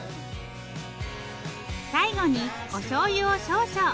最後におしょうゆを少々。